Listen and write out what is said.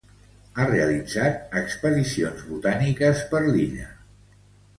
Ha realitzat expedicions botàniques per l'illa.